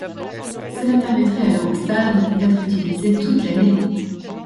Cela permettrait alors au stade d'être utilisé toute l'année.